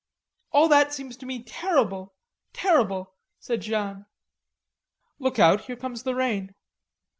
All that seems to me terrible, terrible," said Jeanne. "Look out. Here comes the rain!"